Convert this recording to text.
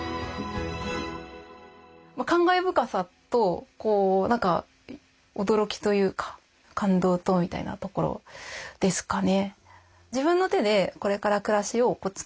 感慨深さと何か驚きというか感動とみたいなところですかね。